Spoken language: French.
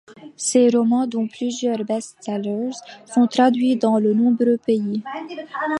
Ses romans, dont plusieurs best-sellers, sont traduits dans de nombreux pays.